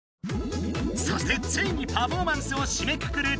そしてついにパフォーマンスをしめくくる